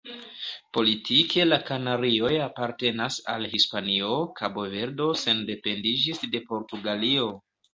Politike la Kanarioj apartenas al Hispanio, Kabo-Verdo sendependiĝis de Portugalio.